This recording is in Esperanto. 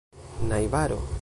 najbaro